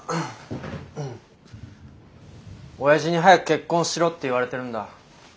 親父に早く結婚しろって言われてるんだ。